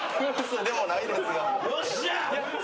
よっしゃ！